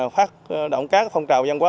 phát động các phong trào dân quá